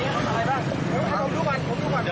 สั่งแนะนำดี